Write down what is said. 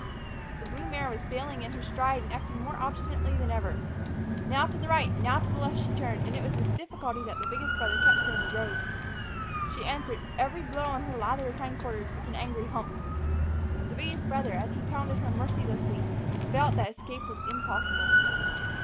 The blue mare was failing in her stride and acting more obstinately than ever. Now to the right, now to the left, she turned, and it was with difficulty that the biggest brother kept her in the road. She answered every blow on her lathered hindquarters with an angry hump. The biggest brother, as he pounded her mercilessly, felt that escape was impossible.